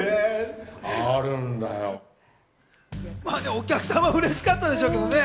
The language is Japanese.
お客さんはうれしかったでしょうけどね。